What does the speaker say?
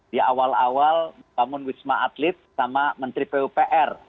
di awal awal membangun wisma atlet sama menteri pupr